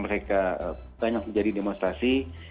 dan mereka telah menjadi demonstrasi